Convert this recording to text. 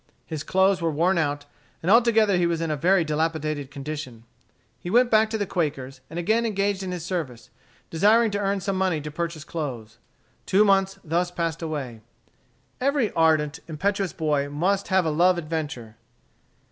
His clothes were worn out, and altogether he was in a very dilapidated condition. He went back to the Quaker's, and again engaged in his service, desiring to earn some money to purchase clothes. Two months thus passed away. Every ardent, impetuous boy must have a love adventure.